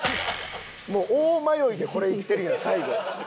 もう大迷いでこれいってるやん最後。